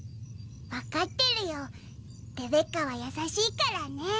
分かってるよレベッカは優しいからね。